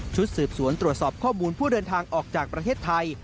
สืบสวนตรวจสอบข้อมูลผู้เดินทางออกจากประเทศไทย